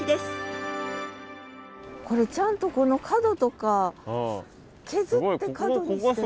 これちゃんとこの角とか削って角にしてるの？